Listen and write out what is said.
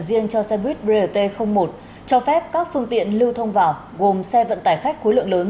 riêng cho xe buýt brt một cho phép các phương tiện lưu thông vào gồm xe vận tải khách khối lượng lớn